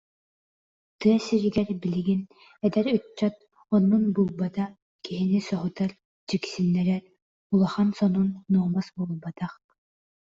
Тыа сиригэр билигин эдэр ыччат оннун булбата киһини соһутар, дьиксиннэрэр улахан сонун-нуомас буолбатах